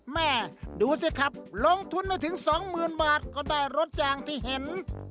แม่ดูสิครับลงทุนไม่ถึงสองหมื่นบาทก็ได้รถอย่างที่เห็น